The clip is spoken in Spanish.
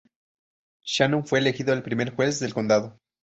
Shannon fue elegido el primer juez del condado.